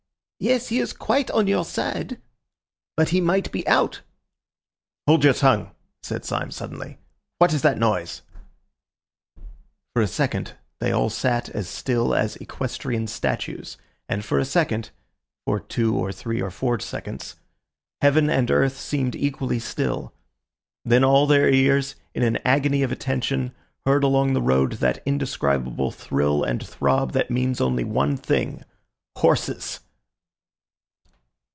"Yes, he is quite on your side." "But he might be out." "Hold your tongue," said Syme suddenly. "What is that noise?" For a second they all sat as still as equestrian statues, and for a second—for two or three or four seconds—heaven and earth seemed equally still. Then all their ears, in an agony of attention, heard along the road that indescribable thrill and throb that means only one thing—horses!